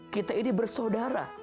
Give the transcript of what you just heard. kita ini bersaudara